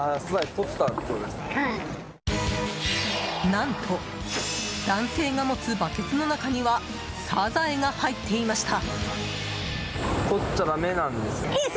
何と男性が持つバケツの中にはサザエが入っていました。